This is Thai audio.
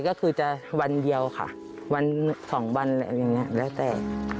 ก็คือจะวันเดียวค่ะวันสองวันอะไรอย่างนี้แล้วแต่